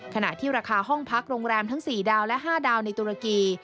ขณะที่ราคาห้องพักโรงแรมทั้ง๔ดาวและ๕ดาวในตุรกี